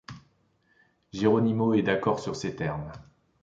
Geronimo est d'accord sur ces termes.